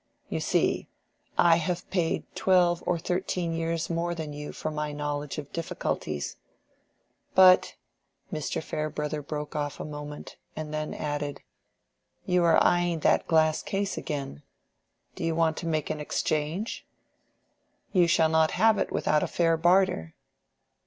You see, I have paid twelve or thirteen years more than you for my knowledge of difficulties. But"—Mr. Farebrother broke off a moment, and then added, "you are eying that glass vase again. Do you want to make an exchange? You shall not have it without a fair barter."